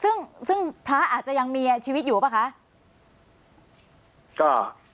ซึ่งซึ่งท้าอาจจะยังมีชีวิตอยู่เปล่าคะก็